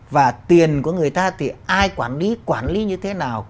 và tiền của người ta thì ai quản lý như thế nào